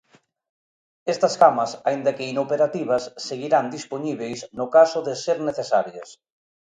Estas camas, aínda que inoperativas, seguirán dispoñíbeis no caso de ser necesarias.